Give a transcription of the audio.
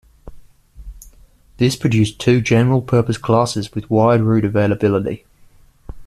This produced two general purpose classes with wide route availability.